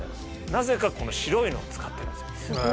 なぜかこの白いのを使ってるんですよ。